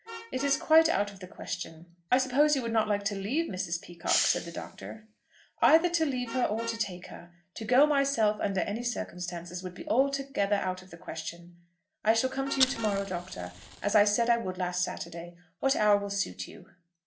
"It is quite out of the question." "I suppose you would not like to leave Mrs. Peacocke," said the Doctor. "Either to leave her or to take her! To go myself under any circumstances would be altogether out of the question. I shall come to you to morrow, Doctor, as I said I would last Saturday. What hour will suit you?"